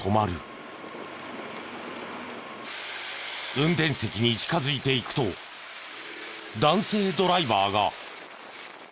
運転席に近づいていくと男性ドライバーが。